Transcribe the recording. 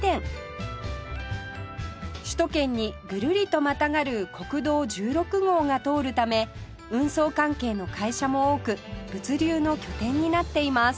首都圏にぐるりとまたがる国道１６号が通るため運送関係の会社も多く物流の拠点になっています